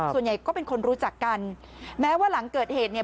ส่วนใหญ่ก็เป็นคนรู้จักกันแม้ว่าหลังเกิดเหตุเนี่ย